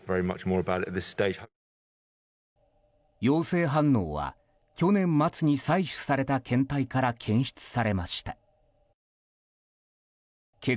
陽性反応は去年末に採取された検体から検出されました。